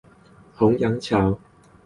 虹揚橋